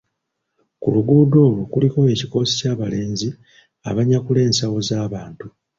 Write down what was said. Ku luguudo olwo kuliko ekikoosi ky'abalenzi abanyakula ensawo z'abantu.